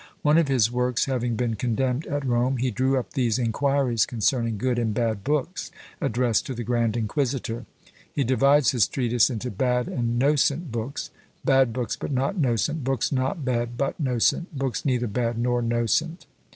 One of his works having been condemned at Rome, he drew up these inquiries concerning good and bad books, addressed to the grand inquisitor. He divides his treatise into "bad and nocent books; bad books but not nocent; books not bad, but nocent; books neither bad nor nocent."